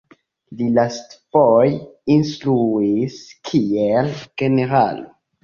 Li lastfoje instruis kiel generalo.